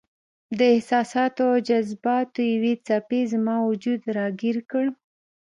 د احساساتو او جذباتو یوې څپې زما وجود راګیر کړ.